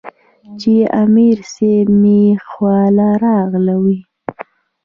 چې امير صېب مې خواله راغلے وۀ -